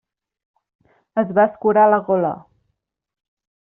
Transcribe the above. Es va escurar la gola.